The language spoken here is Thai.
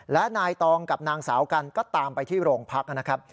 และนายตองกับนางสาวกันก็ตามไปที่โรงพักนะครับ